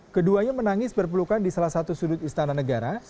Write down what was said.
keduanya menangis berpelukan di salah satu sudut istana negara